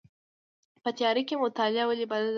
په تیاره کې مطالعه ولې بده ده؟